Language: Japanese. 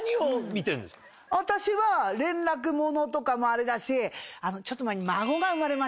私は連絡ものとかもあれだしちょっと前に。